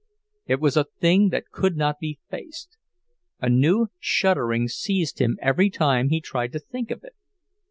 It was a thing that could not be faced; a new shuddering seized him every time he tried to think of it.